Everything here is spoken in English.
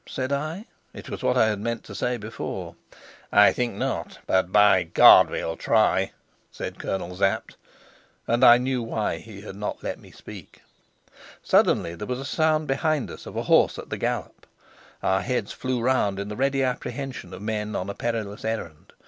said I. It was what I had meant to say before. "I think not, but, by God, we'll try," said Colonel Sapt. And I knew why he had not let me speak. Suddenly there was a sound behind us of a horse at the gallop. Our heads flew round in the ready apprehension of men on a perilous errand.